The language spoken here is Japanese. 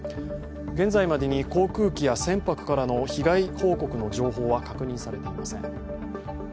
現在までに航空機や船舶からの被害報告の情報は確認されていません。